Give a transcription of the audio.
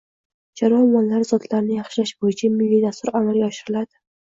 chorva mollari zotlarini yaxshilash bo‘yicha milliy dastur amalga oshiriladi.